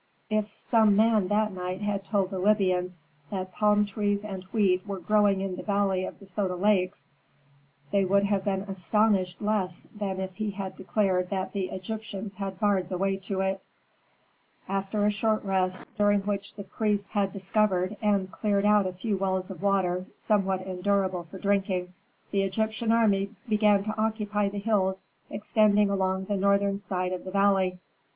If some man that night had told the Libyans that palm trees and wheat were growing in the valley of the Soda Lakes they would have been astonished less than if he had declared that the Egyptians had barred the way to it. After a short rest, during which the priests had discovered and cleared out a few wells of water somewhat endurable for drinking, the Egyptian army began to occupy the hills extending along the northern side of the valley.